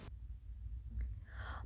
hà nội hà nội hà nội